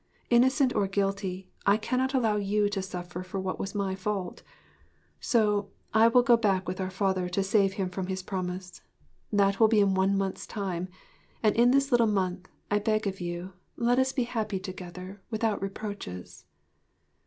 Innocent or guilty, I cannot allow you to suffer for what was my fault; and so I will go back with our father to save him from his promise. That will be in a month's time, and in this little month, I beg of you, let us be happy together without reproaches.'